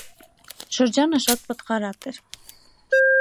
Շրջանը շատ պտղառատ էր (մանաւանդ ունէր նուռ, թուզ եւ սերկեւիլ)։